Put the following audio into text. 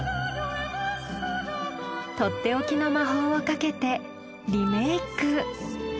とっておきの魔法をかけてリメイク。